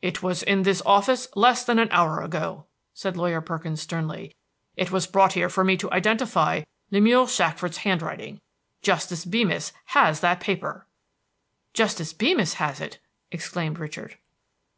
"It was in this office less than one hour ago," said Lawyer Perkins sternly. "It was brought here for me to identify Lemuel Shackford's handwriting. Justice Beemis has that paper!" "Justice Beemis has it!" exclaimed Richard.